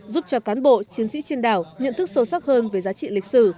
giúp cho cán bộ chiến sĩ trên đảo nhận thức sâu sắc hơn về giá trị lịch sử